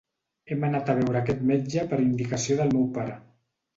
Hem anat a veure aquest metge per indicació del meu pare.